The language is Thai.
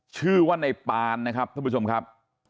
ชื่อว่าในปานนะครับท่านผู้ชมครับ